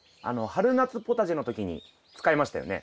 春夏ポタジェの時に使いましたよね。